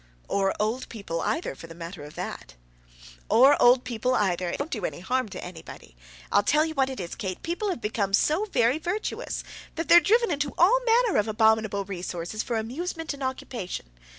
"Or old people either for the matter of that?" "Or old people either, if they don't do any harm to anybody. I'll tell you what it is, Kate; people have become so very virtuous, that they're driven into all manner of abominable resources for amusement and occupation.